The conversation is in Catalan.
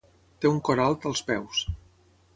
Té un cor alt als peus.